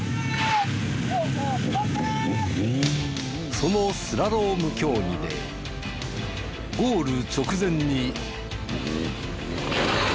そのスラローム競技でゴール直前に。